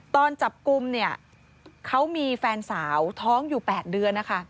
ตอนจับกลุ่มเนี่ยเขามีแฟนสาวท้องอยู่๘เดือนนะคะ